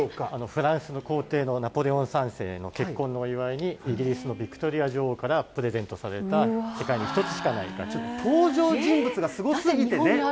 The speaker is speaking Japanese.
フランスの皇帝のナポレオン３世の結婚のお祝いに、イギリスのヴィクトリア女王からプレゼントされた、世界に一つしかない楽登場人物がすごすぎてね。